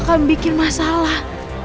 aku bakal bikin masalah